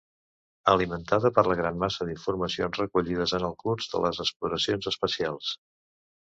Alimentada per la gran massa d'informacions recollides en el curs de les exploracions espacials.